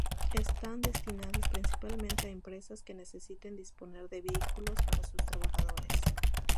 Están destinadas principalmente a empresas que necesiten disponer de vehículos para sus trabajadores.